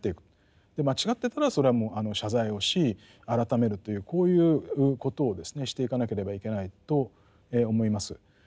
間違ってたらそれはもう謝罪をし改めるというこういうことをですねしていかなければいけないと思います。